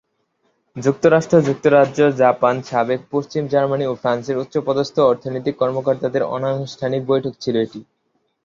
যুক্তরাষ্ট্র, যুক্তরাজ্য, জাপান, সাবেক পশ্চিম জার্মানি ও ফ্রান্সের উচ্চপদস্থ অর্থনৈতিক কর্মকর্তাদের অনানুষ্ঠানিক বৈঠক ছিল এটি।